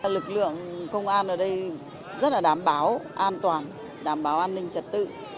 lực lượng công an ở đây rất là đảm bảo an toàn đảm bảo an ninh trật tự